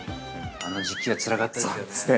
◆あの時期はつらかったですよね。